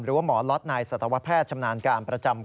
หมอล็อตนายสัตวแพทย์ชำนาญการประจำ